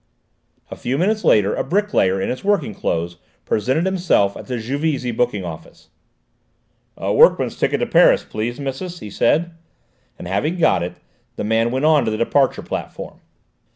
A few minutes later a bricklayer in his working clothes presented himself at the Juvisy booking office. "A workman's ticket to Paris, please, missus," he said, and having got it, the man went on to the departure platform.